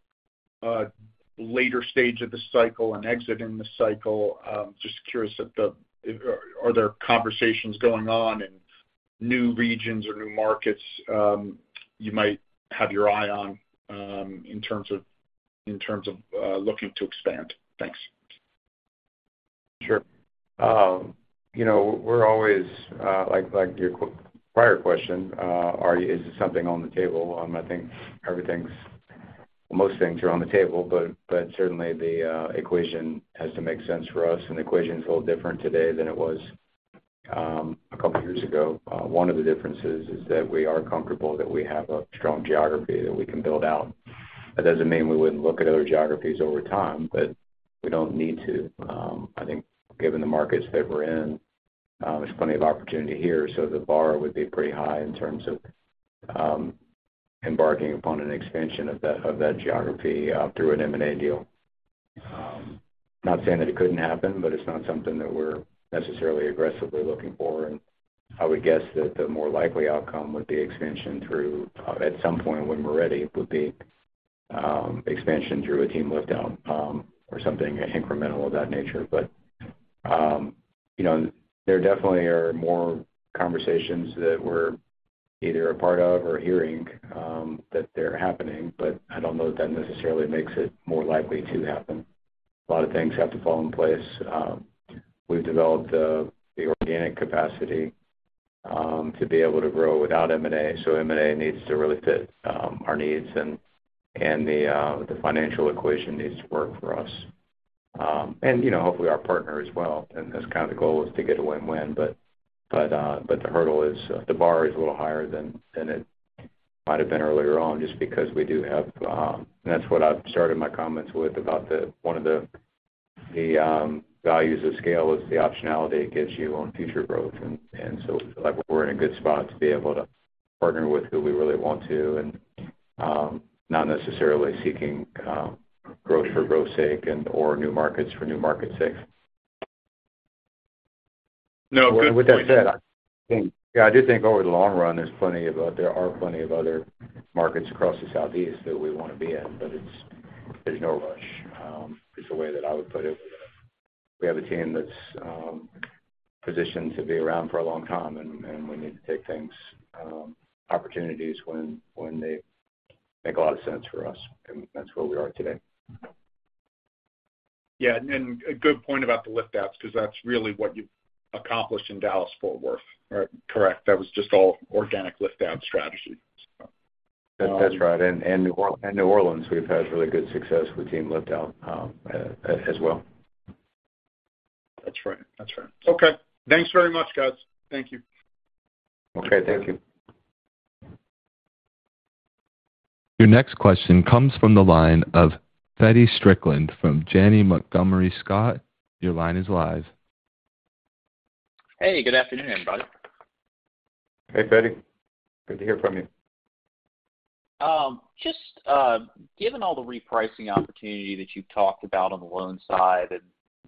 later stage of the cycle and exiting the cycle, just curious if there conversations going on in new regions or new markets, you might have your eye on, in terms of looking to expand? Thanks. Sure. You know, we're always, like, like your prior question, is something on the table? I think everything's-- most things are on the table, but certainly the equation has to make sense for us, and the equation is a little different today than it was a couple of years ago. One of the differences is that we are comfortable that we have a strong geography that we can build out. That doesn't mean we wouldn't look at other geographies over time, but we don't need to. I think given the markets that we're in, there's plenty of opportunity here, so the bar would be pretty high in terms of embarking upon an expansion of that, of that geography, through an M&A deal. Not saying that it couldn't happen, but it's not something that we're necessarily aggressively looking for. I would guess that the more likely outcome would be expansion through, at some point when we're ready, would be expansion through a team lift out, or something incremental of that nature. You know, there definitely are more conversations that we're either a part of or hearing that they're happening, but I don't know that that necessarily makes it more likely to happen. A lot of things have to fall in place. We've developed the organic capacity to be able to grow without M&A. M&A needs to really fit our needs, and the financial equation needs to work for us. You know, hopefully our partner as well, and that's kind of the goal, is to get a win-win. But, but the hurdle is, the bar is a little higher than, than it might have been earlier on, just because we do have. That's what I've started my comments with, about the, one of the, the, values of scale is the optionality it gives you on future growth. So we feel like we're in a good spot to be able to partner with who we really want to, and, not necessarily seeking, growth for growth's sake or new markets for new market's sake. No, good- With that said, I think, yeah, I do think over the long run, there's plenty of, there are plenty of other markets across the Southeast that we want to be in, but it's, there's no rush, is the way that I would put it. We have a team that's positioned to be around for a long time, and we need to take things, opportunities when, when they make a lot of sense for us, and that's where we are today. Yeah, and a good point about the lift outs, because that's really what you've accomplished in Dallas-Fort Worth, right? Correct. That was just all organic lift out strategy. That's, that's right. New Orleans, we've had really good success with team lift out, as well. That's right. That's right. Okay, thanks very much, guys. Thank you. Okay, thank you. Your next question comes from the line of Feddie Strickland from Janney Montgomery Scott. Your line is live. Hey, good afternoon, everybody. Hey, Feddie, good to hear from you. Just, given all the repricing opportunity that you've talked about on the loan side,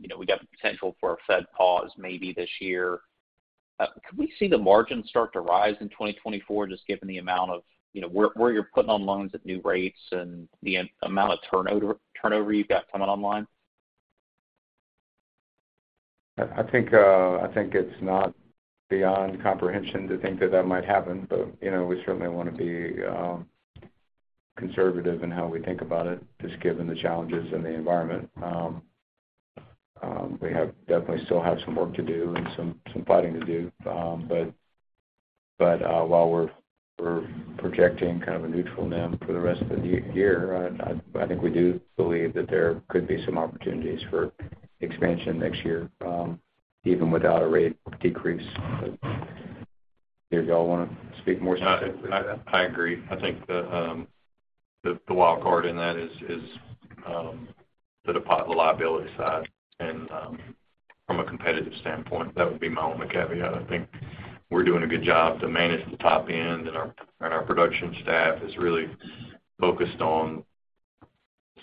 you know, we got the potential for a Fed pause maybe this year, could we see the margins start to rise in 2024, just given the amount of, you know, where, where you're putting on loans at new rates and the amount of turnover, turnover you've got coming online? I, I think, I think it's not beyond comprehension to think that that might happen, but, you know, we certainly want to be conservative in how we think about it, just given the challenges in the environment. We have definitely still have some work to do and some, some fighting to do. But, but, while we're, we're projecting kind of a neutral NIM for the rest of the year, I, I think we do believe that there could be some opportunities for expansion next year, even without a rate decrease. Do y'all want to speak more specifically to that? I, I, I agree. I think the, the, the wild card in that is, is, the liability side, and, from a competitive standpoint, that would be my only caveat. I think we're doing a good job to manage the top end, and our, and our production staff is really focused on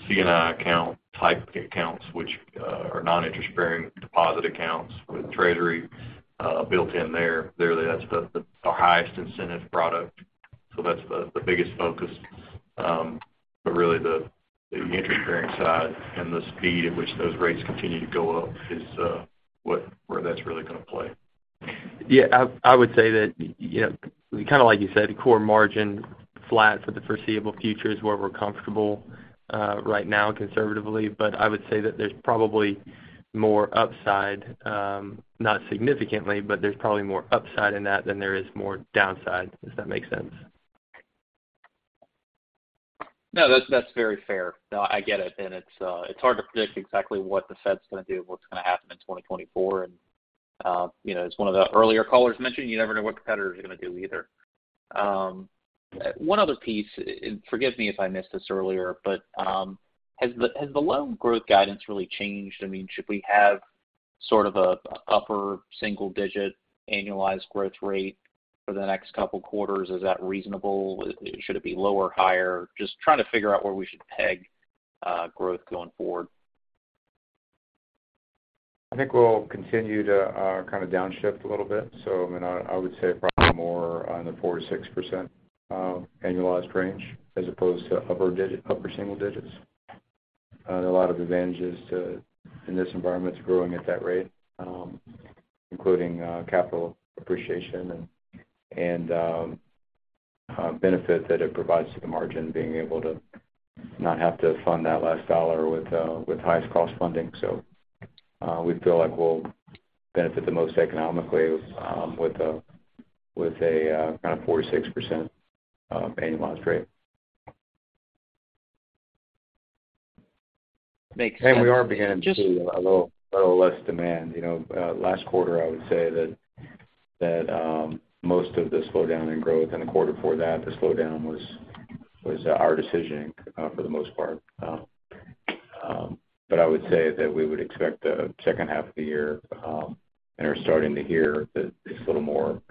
C&I account type accounts, which, are non-interest-bearing deposit accounts with treasury, built in there. Clearly, that's the, our highest incentive product, so that's the, the biggest focus. But really, the, the interest-bearing side and the speed at which those rates continue to go up is, where that's really going to play. Yeah, I, I would say that, you know, kind of like you said, core margin flat for the foreseeable future is where we're comfortable right now, conservatively. I would say that there's probably more upside, not significantly, but there's probably more upside in that than there is more downside, if that makes sense. No, that's, that's very fair. No, I get it, and it's, it's hard to predict exactly what the Fed's going to do, what's going to happen in 2024. You know, as one of the earlier callers mentioned, you never know what competitors are going to do either. One other piece, and forgive me if I missed this earlier, but, has the, has the loan growth guidance really changed? I mean, should we have sort of a, a upper single-digit annualized growth rate for the next couple quarters? Is that reasonable? Should it be lower, higher? Just trying to figure out where we should peg growth going forward. I think we'll continue to kind of downshift a little bit. I mean, I would say probably more on the 4%-6% annualized range, as opposed to upper single digits. There are a lot of advantages to, in this environment, growing at that rate, including capital appreciation and, and benefit that it provides to the margin, being able to not have to fund that last dollar with highest cost funding. We feel like we'll benefit the most economically with a, with a kind of 4%-6% annualized rate. Makes sense. We are beginning to see a little, little less demand. You know, last quarter, I would say that, that, most of the slowdown in growth and the quarter before that, the slowdown was, was, our decision, for the most part. I would say that we would expect the second half of the year, and are starting to hear that it's a little more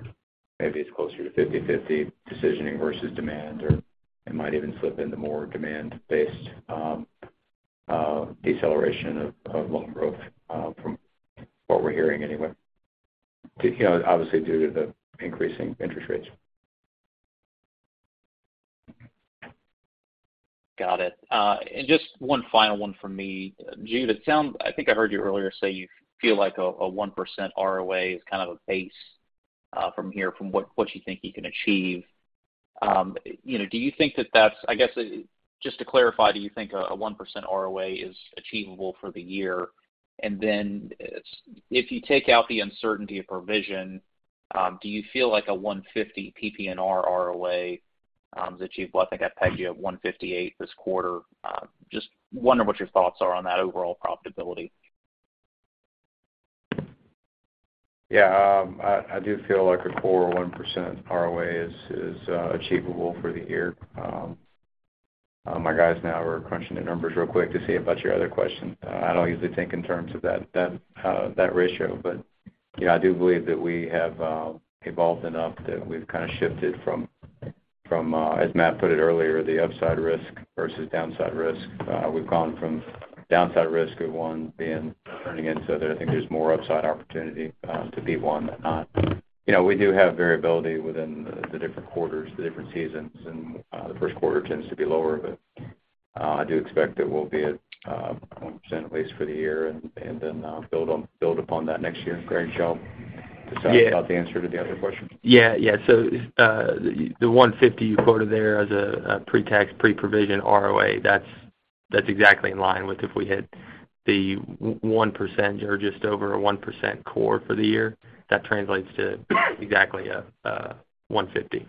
maybe it's closer to 50/50 decisioning versus demand, or it might even slip into more demand-based, deceleration of, of loan growth, from what we're hearing anyway. You know, obviously, due to the increasing interest rates. Got it. Just one final one from me. Jude, I think I heard you earlier say you feel like a, a 1% ROA is kind of a base from here, from what, what you think you can achieve. you know, do you think that that's, I guess, just to clarify, do you think a 1% ROA is achievable for the year? Then if you take out the uncertainty of provision, do you feel like a 1.50 PPNR ROA is achievable? I think I pegged you at 1.58 this quarter. just wondering what your thoughts are on that overall profitability. Yeah, I, I do feel like a core 1% ROA is, is achievable for the year. My guys now are crunching the numbers real quick to see about your other question. I don't usually think in terms of that, that ratio. You know, I do believe that we have evolved enough that we've kind of shifted from, from as Matt put it earlier, the upside risk versus downside risk. We've gone from downside risk of one being, turning into, I think there's more upside opportunity to be one than not. You know, we do have variability within the, the different quarters, the different seasons, and the first quarter tends to be lower. I do expect that we'll be at 1% at least for the year, and then build upon that next year. Greg, do you want- Yeah. To talk about the answer to the other question? Yeah, yeah. The 1.50 you quoted there as a, a pre-tax, pre-provision ROA, that's, that's exactly in line with if we hit the 1% or just over a 1% core for the year. That translates to exactly a, a 1.50.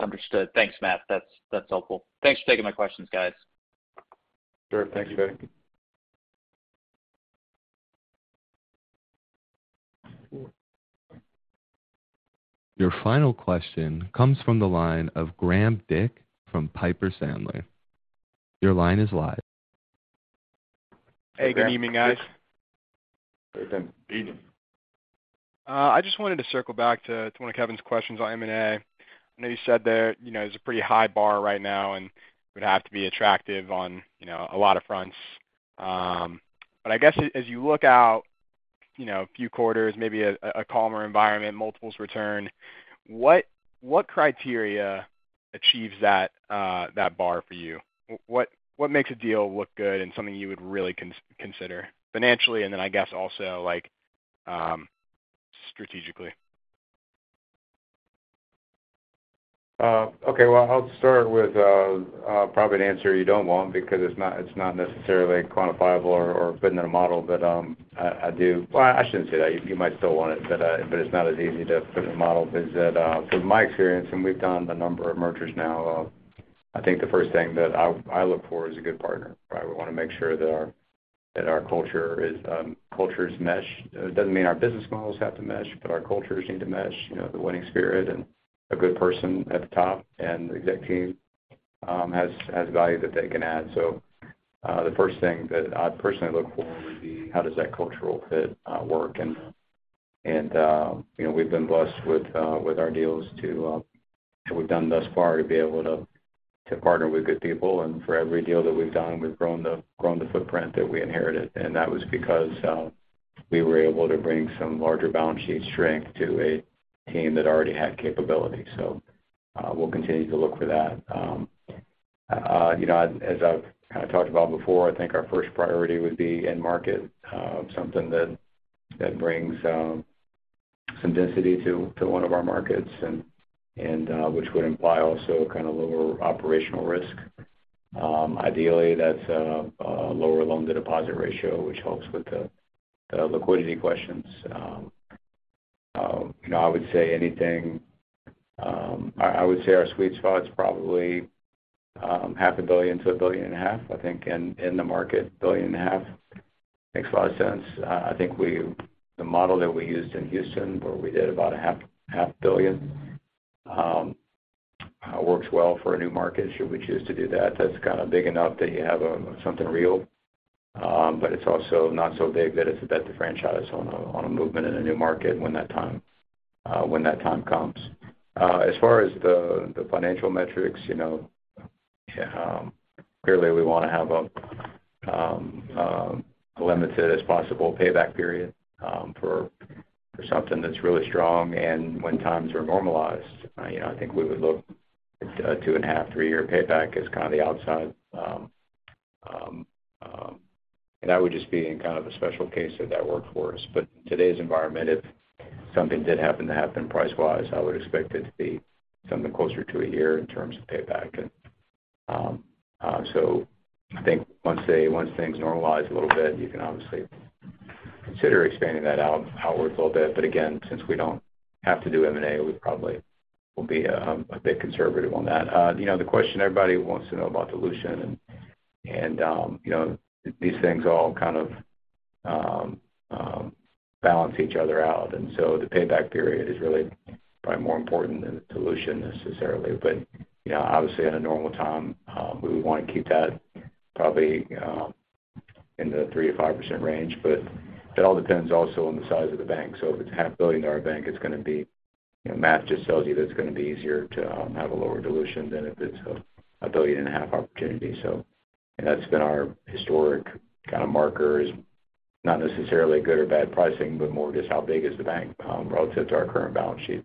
Understood. Thanks, Matt. That's, that's helpful. Thanks for taking my questions, guys. Sure. Thank you, Greg. Your final question comes from the line of Graham Dick from Piper Sandler. Your line is live. Hey, good evening, guys. Graham Dick. Good evening. I just wanted to circle back to, to one of Kevin's questions on M&A. I know you said that, you know, there's a pretty high bar right now, and it would have to be attractive on, you know, a lot of fronts. I guess as you look out, you know, a few quarters, maybe a, a calmer environment, multiples return, what, what criteria achieves that bar for you? What, what makes a deal look good and something you would really consider financially, and then I guess also, like, strategically? Okay, well, I'll start with probably an answer you don't want because it's not, it's not necessarily quantifiable or, or fit in a model. I, I do, well, I shouldn't say that, you might still want it, but it's not as easy to put in a model. From my experience, and we've done a number of mergers now, I think the first thing that I, I look for is a good partner, right? We want to make sure that our, that our culture is, cultures mesh. It doesn't mean our business models have to mesh, but our cultures need to mesh. You know, the winning spirit and a good person at the top, and the exec team, has, has value that they can add. The first thing that I'd personally look for would be, how does that cultural fit work? You know, we've been blessed with our deals to that we've done thus far, to be able to, to partner with good people. For every deal that we've done, we've grown the footprint that we inherited, and that was because we were able to bring some larger balance sheet strength to a team that already had capability. We'll continue to look for that. You know, as I've kind of talked about before, I think our first priority would be end market. Something that brings some density to one of our markets and, which would imply also kind of lower operational risk. Ideally, that's a lower loan-to-deposit ratio, which helps with the liquidity questions. You know, I would say anything... I, I would say our sweet spot's probably $500 million to $1.5 billion, I think, in the market. $1.5 billion makes a lot of sense. I think we the model that we used in Houston, where we did about $500 million, works well for a new market. Should we choose to do that, that's kind of big enough that you have something real, but it's also not so big that it's a bet to franchise on a movement in a new market when that time, when that time comes. As far as the, the financial metrics, you know, clearly, we want to have a limited as possible payback period for, for something that's really strong. When times are normalized, you know, I think we would look at a two and a half, three year payback as kind of the outside. That would just be in kind of a special case if that worked for us. In today's environment, if something did happen to happen price-wise, I would expect it to be something closer to a year in terms of payback. So I think once things normalize a little bit, you can obviously consider expanding that out, outwards a little bit. Again, since we don't have to do M&A, we probably will be a bit conservative on that. You know, the question everybody wants to know about dilution and, you know, these things all kind of, balance each other out. The payback period is really probably more important than the dilution, necessarily. Obviously, in a normal time, we would want to keep that probably in the 3%-5% range, but that all depends also on the size of the bank. If it's a $500 million bank, it's gonna be, you know, math just tells you that it's gonna be easier to have a lower dilution than if it's a $1.5 billion opportunity. That's been our historic kind of markers, not necessarily good or bad pricing, but more just how big is the bank relative to our current balance sheet.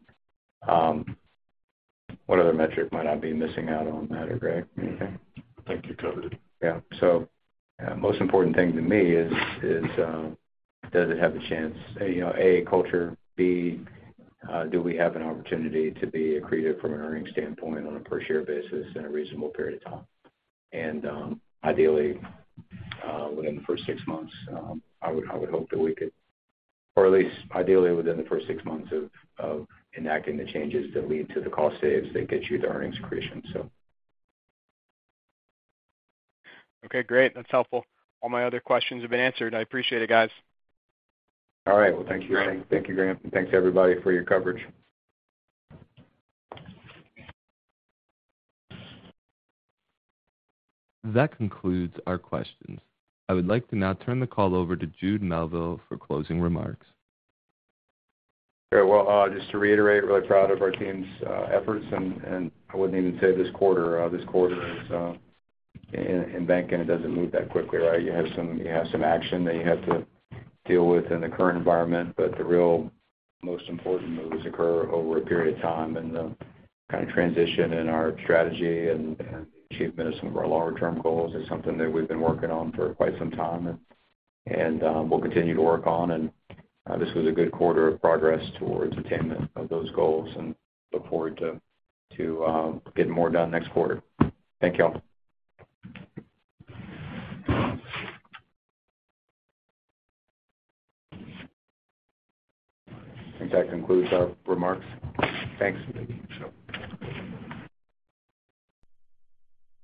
What other metric might I be missing out on, Matt or Greg? I think you covered it. Yeah. Most important thing to me is, is, does it have a chance? You know, A, culture, B, do we have an opportunity to be accretive from an earnings standpoint on a per-share basis in a reasonable period of time? Ideally, within the first six months, I would hope that we could or at least ideally within the first six months of, of enacting the changes that lead to the cost saves that get you the earnings accretion. Okay, great. That's helpful. All my other questions have been answered. I appreciate it, guys. All right. Well, thank you. Thank you, Graham, and thanks, everybody, for your coverage. That concludes our questions. I would like to now turn the call over to Jude Melville for closing remarks. Very well. Just to reiterate, really proud of our team's efforts, and, and I wouldn't even say this quarter. This quarter is in, in banking, it doesn't move that quickly, right? You have some, you have some action that you have to deal with in the current environment, but the real most important moves occur over a period of time. The kind of transition in our strategy and achievement of some of our longer-term goals is something that we've been working on for quite some time, and and we'll continue to work on. This was a good quarter of progress towards attainment of those goals and look forward to to getting more done next quarter. Thank you all. I think that concludes our remarks. Thanks.